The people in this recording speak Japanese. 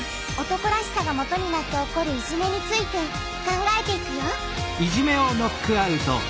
「男らしさ」がもとになって起こる「いじめ」について考えていくよ